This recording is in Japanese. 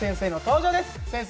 先生